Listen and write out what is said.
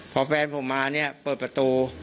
พอแฟนผมมาเนี่ยเปิดประตู